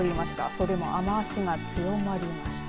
それも雨足が強まりました。